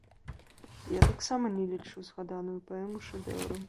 Я таксама не лічу згаданую паэму шэдэўрам.